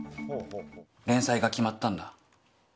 連載が決まったんだ。